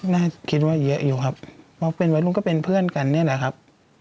น่าจะคิดว่าเยอะอยู่ครับพอเป็นไว้ลุงก็เป็นเพื่อนกันเนี่ยแหละครับ